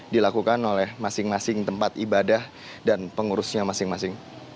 dilakukan oleh masing masing tempat ibadah dan pengurusnya masing masing